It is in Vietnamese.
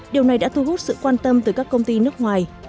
điều này đã thu hút sự quan tâm từ các công ty nước ngoài